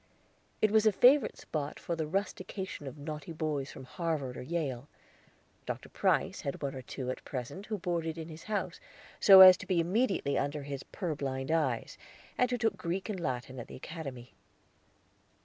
It was a favorite spot for the rustication of naughty boys from Harvard or Yale. Dr. Price had one or two at present who boarded in his house so as to be immediately under his purblind eyes, and who took Greek and Latin at the Academy.